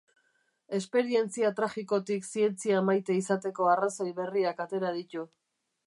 Esperientzia tragikotik zientzia maite izateko arrazoi berriak atera ditu.